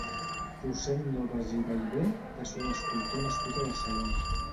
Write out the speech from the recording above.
Rossend Nobas i Ballbé va ser un escultor nascut a Barcelona.